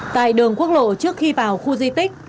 tại đường quốc lộ trước khi vào khu di tích